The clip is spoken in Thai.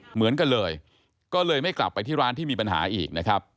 เหมือนกันเลยก็เลยไม่กลับไปที่ร้านที่มีปัญหาอีกนะครับ